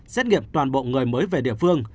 xét nghiệm toàn bộ người mới về địa phương